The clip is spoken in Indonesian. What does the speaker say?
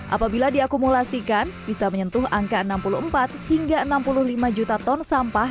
apabila diakumulasikan bisa menyentuh angka enam puluh empat hingga enam puluh lima juta ton sampah